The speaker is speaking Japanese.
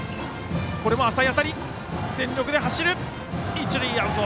一塁はアウト。